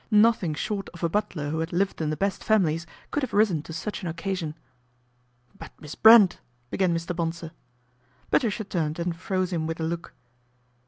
Nothing short of a butler who had lived in the best families could have risen to such an occasion. " But, Miss Brent " uegan Mr. Bonsor. Patricia turned and froze him with a look.